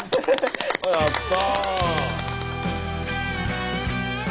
やった。